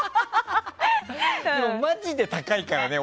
マジで高いからね。